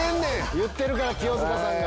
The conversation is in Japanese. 言ってるから清塚さんが。